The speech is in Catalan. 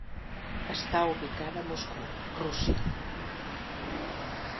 Està ubicada a Moscou, Rússia.